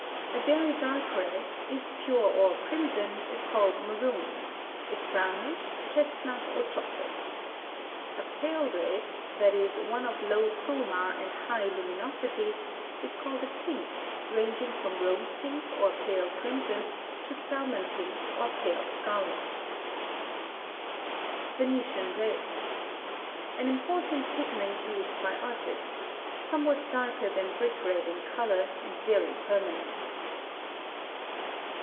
A very dark red, if pure or crimson, is called maroon; if brownish, chestnut or chocolate. A pale red that is, one of low CHROMA and high LUMINOSITY is called a pink, ranging from rose pink or pale crimson to salmon pink or pale scarlet. VENETIAN RED. An important pigment used by artists, somewhat darker than brick red in color, and very permanent.